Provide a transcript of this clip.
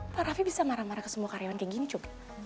pak raffi bisa marah marah ke semua karyawan kayak gini cuma